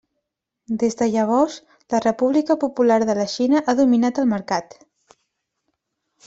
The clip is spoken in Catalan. Des de llavors, la República Popular de la Xina ha dominat el mercat.